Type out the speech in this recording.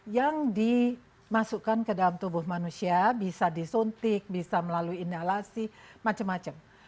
yang dimasukkan ke dalam tubuh manusia bisa disuntik bisa melalui inhalasi macem macem